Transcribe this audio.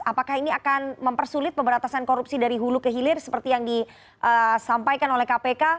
apakah ini akan mempersulit pemberantasan korupsi dari hulu ke hilir seperti yang disampaikan oleh kpk